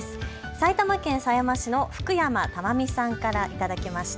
埼玉県狭山市の福山玉美さんから頂きました。